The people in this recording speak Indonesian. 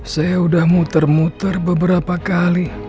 saya sudah muter muter beberapa kali